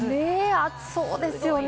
暑そうですよね。